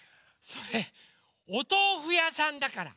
それおとうふやさんだから！